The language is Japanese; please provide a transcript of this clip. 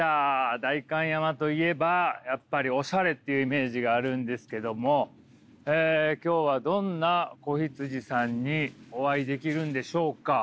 代官山といえばやっぱりオシャレっていうイメージがあるんですけども今日はどんな子羊さんにお会いできるんでしょうか？